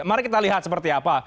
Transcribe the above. mari kita lihat seperti apa